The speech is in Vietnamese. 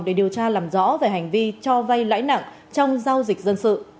để điều tra làm rõ về hành vi cho vay lãi nặng trong giao dịch dân sự